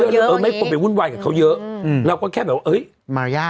เออไม่ควรไปวุ่นวายกับเขาเยอะเราก็แค่แบบว่าเอ้ยมายาก